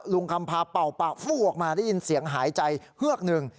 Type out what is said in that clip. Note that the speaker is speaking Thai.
ลุงคำพาเป่าปากฟู้ออกมาได้ยินเสียงหายใจเฮือกหนึ่ง